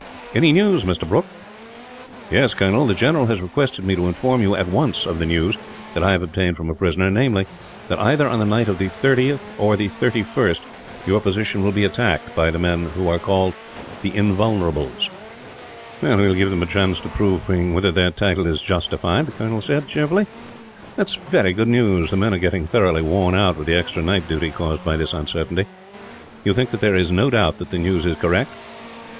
"Any news, Mr. Brooke?" "Yes, Colonel; the general has requested me to inform you, at once, of the news that I have obtained from a prisoner; namely that, either on the night of the 30th or 31st, your position will be attacked, by the men who are called the Invulnerables." "We will give them a chance of proving whether their title is justified," the colonel said, cheerfully. "That is very good news. The men are getting thoroughly worn out with the extra night duty caused by this uncertainty. You think that there is no doubt that the news is correct?"